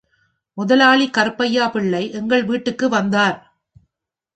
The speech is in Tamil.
முதலாளி கருப்பையாபிள்ளை எங்கள் வீட்டுக்கு வந்தார்.